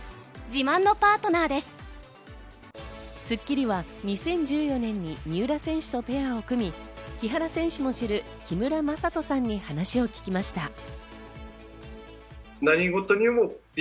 『スッキリ』は２０１４年に三浦選手とペアを組み、木原選手も知る木村真人さんに話を聞きました。